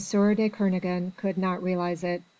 de Kernogan could not realise it.